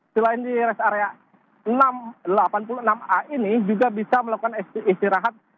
selain di rest area delapan puluh enam a ini juga bisa melakukan istirahat